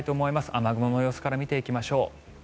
雨雲の様子から見ていきましょう。